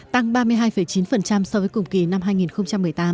tăng ba mươi hai chín so với cùng kỳ năm hai nghìn một mươi tám